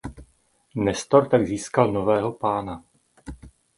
Nestor tak získal svého nového pána.